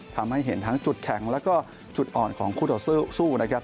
ทำให้เห็นทั้งจุดแข็งแล้วก็จุดอ่อนของคู่ต่อสู้นะครับ